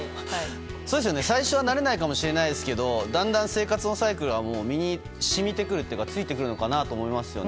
最初は慣れないかもしれないですけどだんだん生活のサイクルは身に染みてくるというか身についてくると思いますよね。